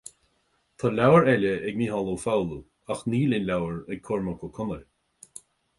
Tá leabhar eile ag Mícheál Ó Foghlú, ach níl aon leabhar ag Cormac Ó Conaill